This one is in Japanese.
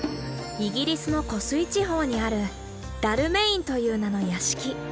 イギリスの湖水地方にある「ダルメイン」という名の屋敷。